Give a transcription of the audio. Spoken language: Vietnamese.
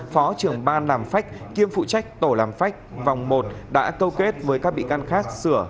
phó trưởng ban làm phách kiêm phụ trách tổ làm phách vòng một đã câu kết với các bị can khác sửa